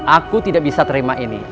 aku tidak bisa terima ini